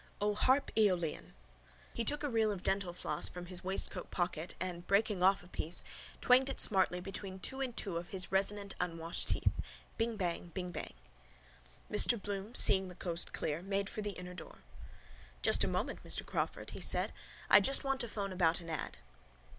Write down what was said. O, HARP EOLIAN! He took a reel of dental floss from his waistcoat pocket and, breaking off a piece, twanged it smartly between two and two of his resonant unwashed teeth. —Bingbang, bangbang. Mr Bloom, seeing the coast clear, made for the inner door. —Just a moment, Mr Crawford, he said. I just want to phone about an ad.